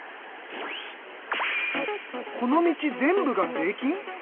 この道全部が税金！？